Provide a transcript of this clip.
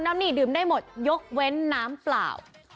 หนี้ดื่มได้หมดยกเว้นน้ำเปล่า